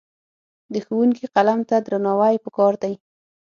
د ښوونکي قلم ته درناوی پکار دی.